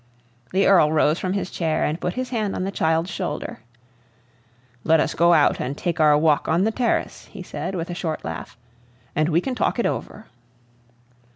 The Earl rose from his chair and put his hand on the child's shoulder. "Let us go out and take our walk on the terrace," he said, with a short laugh; "and we can talk it over."